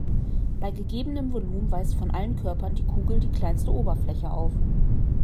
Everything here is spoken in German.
Bei gegebenem Volumen weist von allen Körpern die Kugel die kleinste Oberfläche auf.